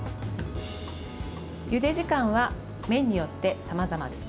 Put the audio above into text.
ゆで時間は麺によってさまざまです。